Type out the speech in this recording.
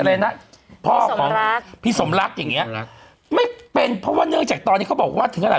พี่สมรักพี่สมรักพี่สมรักอย่างเนี้ยไม่เป็นเพราะว่าเนื่องจากตอนนี้เขาบอกว่า